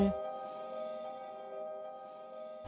ฝึกให้เขาแปลงฟัน